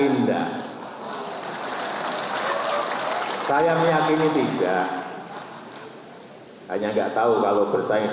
untuk berkongsi tentang hal tersebut